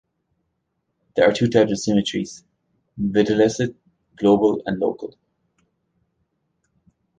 There are two types of symmetries, videlicet, global and local.